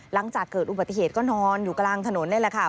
หลังจากเกิดอุบัติเหตุก็นอนอยู่กลางถนนนี่แหละค่ะ